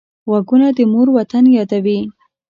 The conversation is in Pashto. غوږونه د مور وطن یادوي